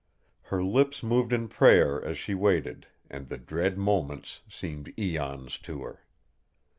Her lips moved in prayer as she waited and the dread moments seemed eons to her.